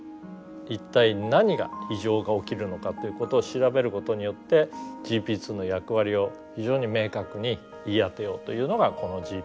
一体何が異常が起きるのかということを調べることによってＧＰ２の役割を非常に明確に言い当てようというのがこのＧＰ